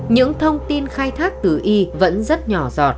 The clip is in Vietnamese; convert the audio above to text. những thông tin khai thác từ y vẫn rất nhỏ giọt